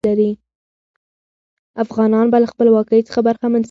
افغانان به له خپلواکۍ څخه برخمن سوي وي.